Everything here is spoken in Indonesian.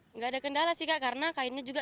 nggak ada kendala sih kak karena kainnya juga